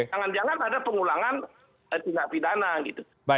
jangan jangan ada pengulangan tindak pidana gitu